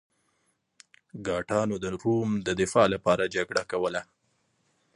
ګاټانو د روم د دفاع لپاره جګړه کوله.